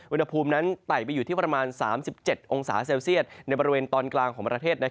อุณหภูมินั้นไต่ไปอยู่ที่ประมาณ๓๗องศาเซลเซียตในบริเวณตอนกลางของประเทศ